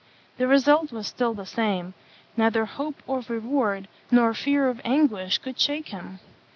The result was still the same; neither hope of reward nor fear of anguish could shake him.